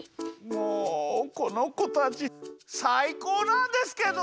もうこのこたちさいこうなんですけど！